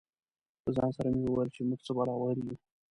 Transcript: له ځان سره مې ویل چې موږ څه بلا وهلي یو.